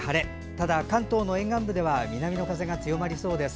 ただ関東の沿岸部では南風が強まりそうです。